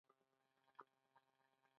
کمپیوټر د انسانانو ژبه نه پوهېږي.